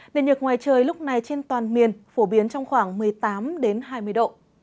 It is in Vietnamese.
điện nhược ngoài trời lúc này trên toàn miền phổ biến trong khoảng một mươi tám hai mươi độ